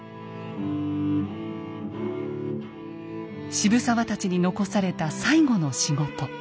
渋沢たちに残された最後の仕事。